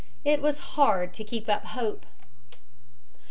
It was hard to keep up hope.